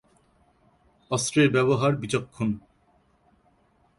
অস্ত্রের ব্যবহার বিচক্ষণ।